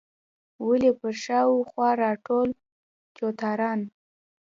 ولې پر شا او خوا راټول چوتاران.